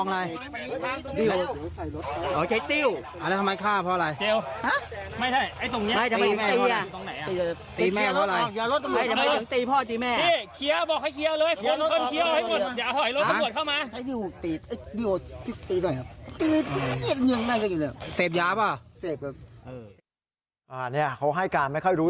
สามารถใช้นิวตีดนิวตีน่ะครับ